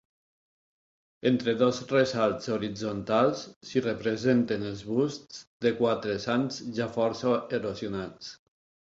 Entre dos ressalts horitzontals s'hi representen els busts de quatre sants, ja força erosionats.